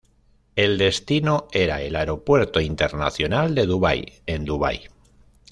El destino era el Aeropuerto Internacional de Dubai en Dubai.